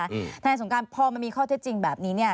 ทนายสงการพอมันมีข้อเท็จจริงแบบนี้เนี่ย